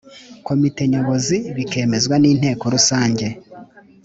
komite nyobozi bikemezwa n inteko rusange